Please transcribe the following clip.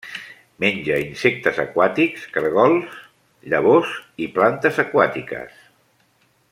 Menja insectes aquàtics, caragols, llavors i plantes aquàtiques.